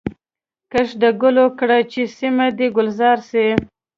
کښت د ګلو کړه چي سیمه دي ګلزار سي